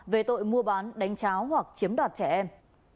về tội mua bán đánh cháo hoặc chiếm đoạt trẻ em